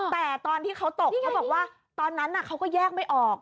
แต่ตอนที่เขาตกตอนนั้นเขาก็แยกไม่ออก